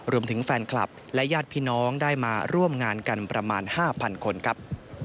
รวมถึงแฟนคลับและญาติพี่น้องได้มาร่วมงานกันประมาณ๕๐๐คนครับ